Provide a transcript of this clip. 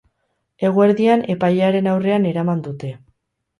Eguerdian epailearen aurrean eraman dute.